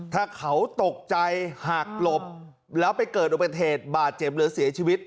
ถ้าเขาตกใจหักหลบแล้วไปเกิดอุบัติเหตุบาดเจ็บหรือเสียชีวิต